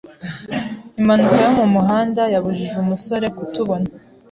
Impanuka yo mu muhanda yabujije umusore kutabona.